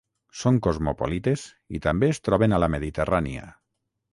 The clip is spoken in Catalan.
Són cosmopolites i també es troben a la Mediterrània.